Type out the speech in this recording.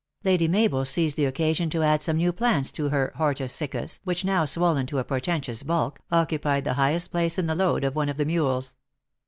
Lady Mabel seized tbe occasion to add some new plants to her hortus siccus, which, now swollen to a portentous bulk, occupied the highest place in the load of one of the mules.